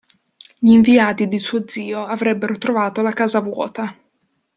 Gli inviati di suo zio avrebbero trovato la casa vuota.